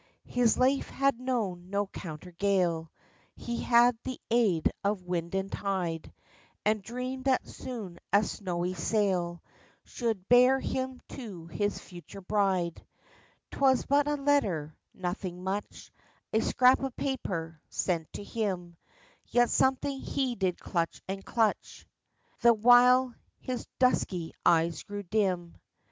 His life had knowm no counter gale, He had the aid of wind and tide, And dreamed that soon a snowy sail Should bear him to his future bride. i6 THE FISHERMA^N'S STORY. 17 ^Twas but a letter — nothing much — A scrap of paper sent to him, Yet something he did clutch and clutch The while his dusky eyes grew dim.